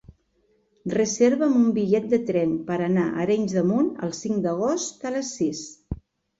Reserva'm un bitllet de tren per anar a Arenys de Munt el cinc d'agost a les sis.